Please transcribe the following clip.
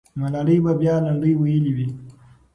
ملالۍ به بیا لنډۍ ویلي وي.